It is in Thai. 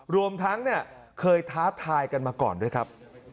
รวมทั้งเนี่ยเคยท้าทายกันมาก่อนด้วยครับ